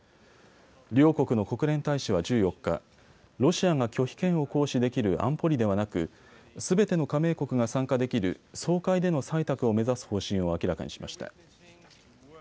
両国の国連大使は１４日、ロシアが拒否権を行使できる安保理ではなくすべての加盟国が参加できる総会での採択を目指す方針を明らかにしました。